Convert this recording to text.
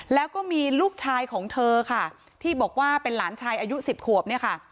แล้วก็มีลูกชายของเธอค่ะที่บอกว่าเป็นหลานชายอายุสิบขวบเนี่ยค่ะ